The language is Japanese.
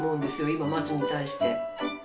今松に対して。